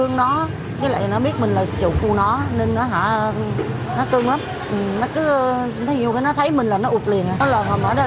gia cảnh đơn sơ